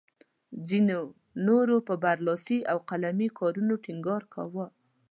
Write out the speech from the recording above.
ځینو نورو پر برلاسي او قلمي کارونو ټینګار کاوه.